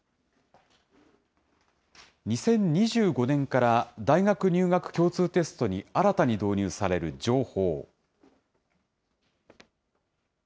２０２５年から大学入学共通テストに新たに導入される情報。